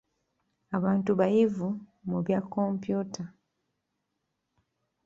Abantu bayivu mu bya kompyuta.